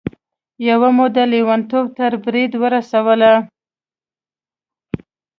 يوه مو د لېونتوب تر بريده ورسوله.